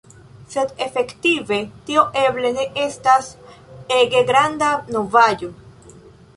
Sed efektive tio eble ne estas ege granda novaĵo.